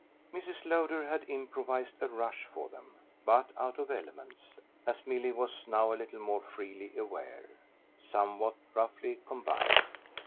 Mrs. Lowder had improvised a "rush" for them, but out of elements, as Milly was now a little more freely aware, somewhat roughly combined.